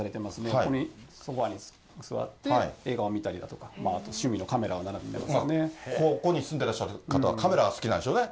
ここにソファーに座って、映画を見たりだとか、趣味のカメラを並ここに住んでらっしゃる方はカメラ好きなんでしょうね。